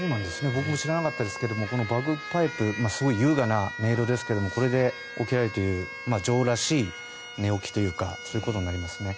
僕も知らなかったんですがバグパイプすごい優雅な音色ですがこれで起きられている女王らしい寝起きというかそういうことになりますね。